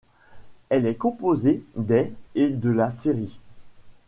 Elle est composée des et de la série.